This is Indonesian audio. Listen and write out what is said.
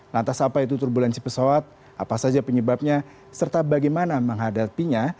lantas apa itu turbulensi pesawat apa saja penyebabnya serta bagaimana menghadapinya